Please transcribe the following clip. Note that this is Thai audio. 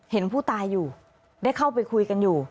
เห็นผู้ตายอยู่ได้เข้าไปคุยกันอยู่